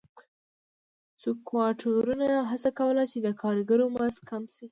سکواټورانو هڅه کوله چې د کارګرو مزد کم شي.